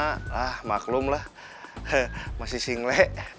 sama abah rama lah maklum lah masih singlek